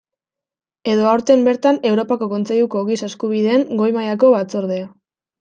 Edo aurten bertan Europako Kontseiluko Giza Eskubideen Goi mailako Batzordea.